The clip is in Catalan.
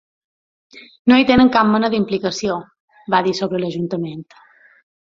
“No hi tenen cap mena d’implicació”, va dir sobre l’ajuntament.